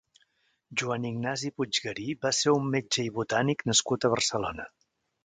Joan Ignasi Puiggarí va ser un metge i botànic nascut a Barcelona.